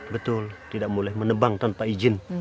betul tidak boleh menebang tanpa izin